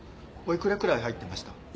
お幾らくらい入ってました？